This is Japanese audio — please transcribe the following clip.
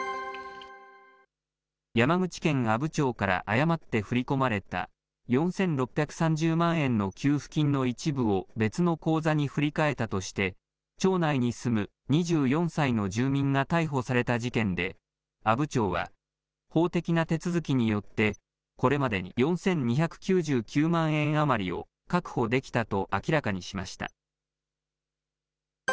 山口県阿武町から誤って振り込まれた４６３０万円の給付金の一部を別の口座に振り替えたとして、町内に住む２４歳の住民が逮捕された事件で、阿武町は、法的な手続きによってこれまでに４２９９万円余りを確保できたと明らかにしました。